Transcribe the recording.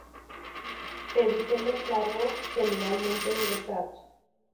Pedicelos largo, generalmente engrosados.